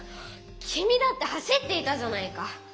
きみだって走っていたじゃないか！